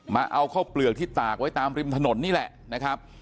มาเอาข้าวเปลือกที่ตากไว้ตามริมถนนนี่แหละนะครับ